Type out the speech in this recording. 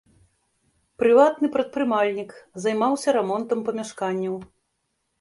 Прыватны прадпрымальнік, займаўся рамонтам памяшканняў.